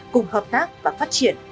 cùng hợp tác và phát triển